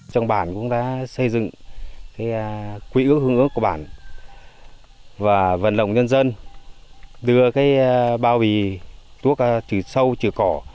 trong bản cũng đã xây dựng quỹ hương ước của bản và vận động nhân dân đưa bao bì thuốc trừ sâu trừ cỏ